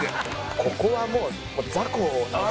ここはもう雑魚。